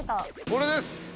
これです。